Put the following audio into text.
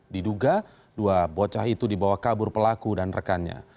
diduga dua bocah itu dibawa kabur pelaku dan rekannya